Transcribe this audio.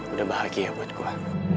udah bahagia buat gue